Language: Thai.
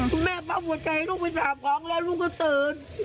คุณแม่ปั๊บหัวใจลูกไป๓ครั้งแล้วลูกก็ตื่น